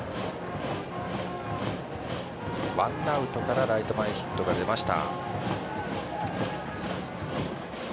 ワンアウトからライト前ヒットが出ました。